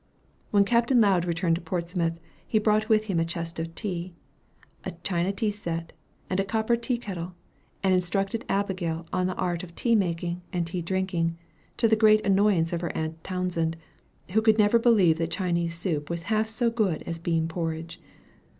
When Capt. Lowd returned to Portsmouth, he brought with him a chest of tea, a China tea set, and a copper teakettle, and instructed Abigail in the art of tea making and tea drinking, to the great annoyance of her aunt Townsend, who could never believe that Chinese soup was half so good as bean porridge.